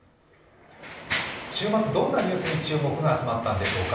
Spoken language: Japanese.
週末どんなニュースに注目が集まったんでしょうか？